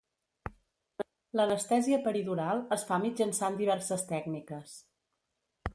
L'anestèsia peridural es fa mitjançant diverses tècniques.